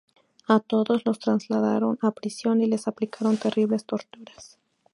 A todos los trasladaron a prisión y les aplicaron terribles torturas.